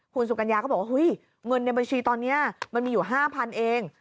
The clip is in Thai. คุณสุกัญญาก็บอกว่าเฮ้ยเงินในบัญชีตอนนี้มันมีอยู่๕๐๐๐เอง